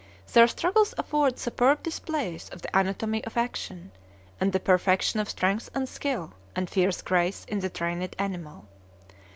Their struggles afford superb displays of the anatomy of action, and the perfection of strength and skill and fierce grace in the trained animal.